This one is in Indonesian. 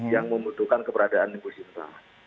yang membutuhkan keberadaan ibu sinta